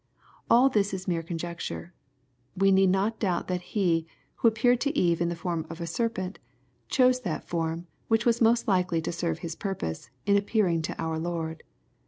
AU this is mere conjecture. We need not doubt that he, who appeared to Eve in* the form of a serpent, chose that form, which was most likely to serve his purpose, in appearing to our Lord.